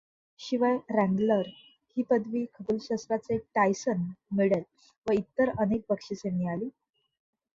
शिवाय, रँग्लर ही पदवी, खगोलशास्त्राचे टायसन मेडल व इतर अनेक बक्षिसे मिळाली.